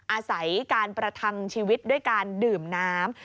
อาศัยการประทังชีวิตด้วยการดื่มน้ำ